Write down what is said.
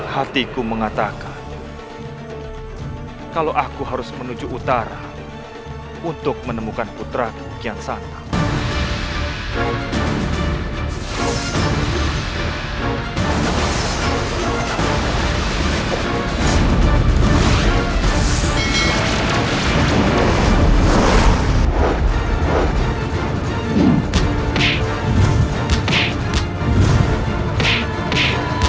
hatiku mengatakan kalau aku harus menuju utara untuk menemukan putra kukian santai